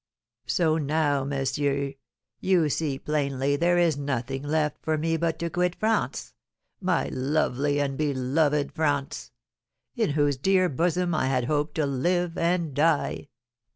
So now, monsieur, you see plainly there is nothing left for me but to quit France, my lovely and beloved France, in whose dear bosom I had hoped to live and die!"